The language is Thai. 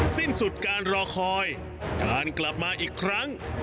สิ้นสุดการรอคอยการกลับมาอีกครั้ง